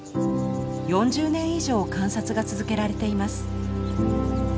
４０年以上観察が続けられています。